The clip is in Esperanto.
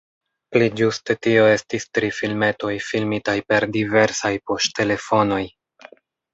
Pli ĝuste tio estis tri filmetoj, filmitaj per diversaj poŝtelefonoj.